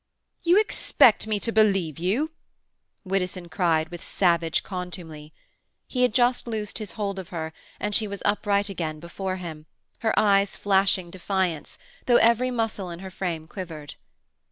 "You expect me to believe you?" Widdowson cried with savage contumely. He had just loosed his hold of her, and she was upright again before him, her eyes flashing defiance, though every muscle in her frame quivered.